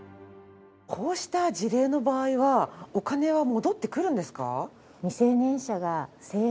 こうした事例の場合はお金は戻ってくるんですか？